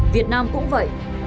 việt nam cũng vậy